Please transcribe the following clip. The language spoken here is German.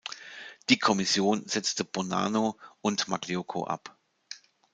Die "Kommission" setzte Bonanno und Magliocco ab.